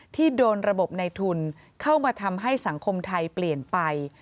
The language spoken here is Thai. ที่โดนระบบในทุนเข้ามาทำให้สังคมไทยเปลี่ยนไป